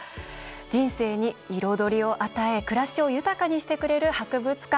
人生に彩りを与え暮らしを豊かにしてくれる博物館。